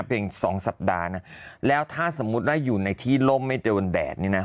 สองสัปดาห์นะแล้วถ้าสมมุติว่าอยู่ในที่ล่มไม่โดนแดดนี่นะ